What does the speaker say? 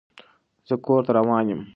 زه کور ته روان يم.